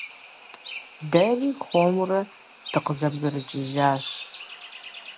Дэри хуэмурэ дыкъызэбгрыкӀыжащ.